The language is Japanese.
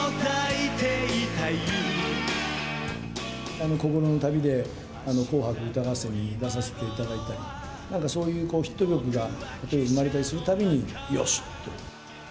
あの心の旅で紅白歌合戦に出させていただいたり、そういうヒット曲が生まれたりするたびに、よしと。